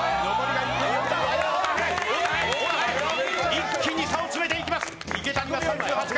一気に差を詰めていきます。